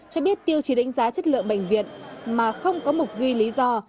cho biết tiêu chí đánh giá chất lượng bệnh viện mà không có mục ghi lý do